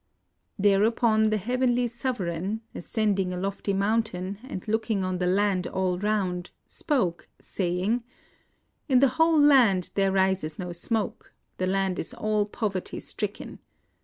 Thereupon the Heavenly Sovereign, as cending a lofty mountain and looking on the land all round, spoke, saying :— 'In the whole land there rises no smoke; the land is all poverty stricken.